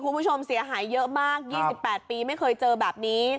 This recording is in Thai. คุณผู้ชมเสียหายเยอะมาก๒๘ปีไม่เคยเจอแบบนี้